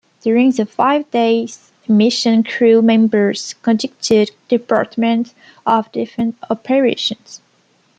During the five-day mission crew members conducted Department of Defense operations.